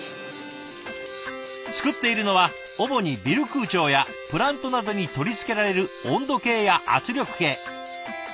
作っているのは主にビル空調やプラントなどに取り付けられる温度計や圧力計。